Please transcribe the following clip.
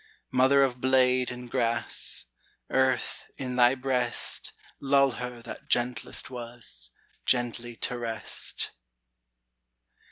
Mother of blade and grass, Earth, in thy breast Lull her that gentlest was Gently to rest!